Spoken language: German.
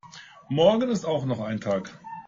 Morgen ist auch noch ein Tag.